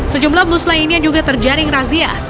sejumlah bus lainnya juga terjaring razia